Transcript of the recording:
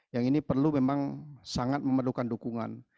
yang ini perlu memang sangat memerlukan dukungan